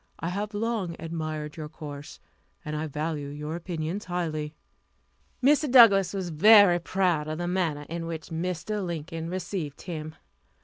I have long admired your course, and I value your opinions highly." Mr. Douglass was very proud of the manner in which Mr. Lincoln received him.